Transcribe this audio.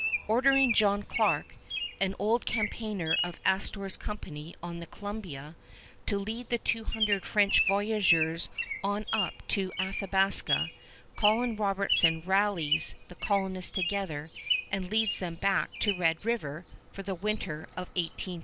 Ordering John Clarke, an old campaigner of Astor's company on the Columbia, to lead the two hundred French voyageurs on up to Athabasca, Colin Robertson rallies the colonists together and leads them back to Red River for the winter of 1815 1816.